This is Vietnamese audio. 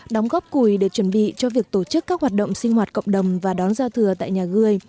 đóng góp cùi để chuẩn bị cho việc tổ chức các hoạt động sinh hoạt cộng đồng và đón giao thừa tại nhà ga